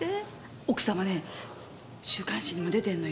奥様ね週刊誌にも出てるのよ。